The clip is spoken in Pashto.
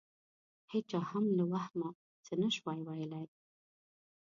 هېچا هم له وهمه څه نه شوای ویلای.